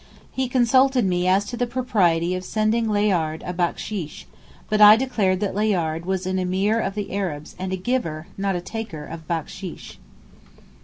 He consulted me as to the propriety of sending Layard a backsheesh, but I declared that Layard was an Emeer of the Arabs and a giver, not a taker of backsheesh.